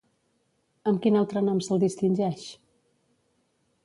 Amb quin altre nom se'l distingeix?